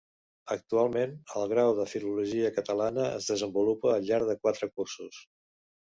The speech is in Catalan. Actualment, el Grau de Filologia catalana es desenvolupa al llarg de quatre cursos.